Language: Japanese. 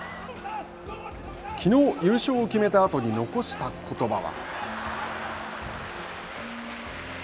きのう優勝を決めたあとに残したことばは。